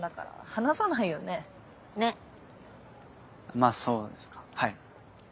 まぁそうですかはい。